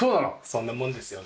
そんなもんですよね。